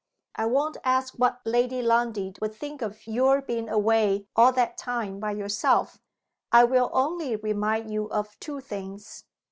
I won't ask what Lady Lundie would think of your being away all that time by yourself. I will only remind you of two things.